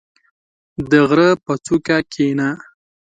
• د غره په څوکه کښېنه.